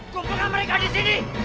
gumpulkan mereka di sini